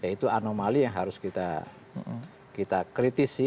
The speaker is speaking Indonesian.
itu anomali yang harus kita kritisi